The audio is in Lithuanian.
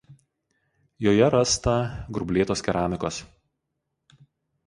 Joje rasta grublėtos keramikos.